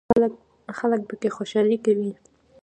خلک پکې خوشحالي کوي.